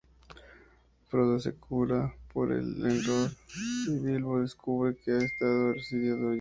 Frodo se cura por Elrond y Bilbo descubre que ha estado residiendo allí.